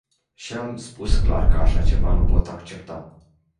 Și am spus clar că așa ceva nu pot accepta.